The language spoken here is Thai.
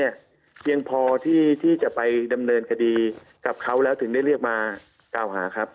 เพียงพอที่จะไปดำเนินคดีกับเขาแล้วถึงได้เรียกมากล่าวหาครับ